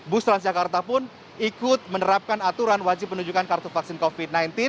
bus transjakarta pun ikut menerapkan aturan wajib menunjukkan kartu vaksin covid sembilan belas